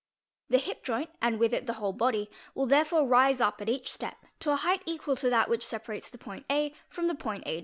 The . hip joint and with it the i _ whole body will therefore rise up at each step to a height _ equal to that which separates the point a from the point a'.